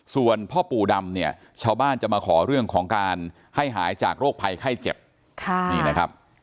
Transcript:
ส่วนพ่อปู่ดำเนี่ยชาวบ้านจะมาขอเรื่องของการให้หายจากโรคภัยไข้เจ็บนี่นะครับ